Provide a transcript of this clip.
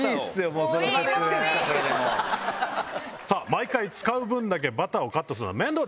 毎回使う分だけバターをカットするのは面倒です。